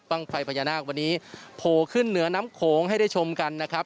ไฟพญานาควันนี้โผล่ขึ้นเหนือน้ำโขงให้ได้ชมกันนะครับ